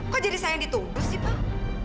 kok jadi saya yang dituduh sih pak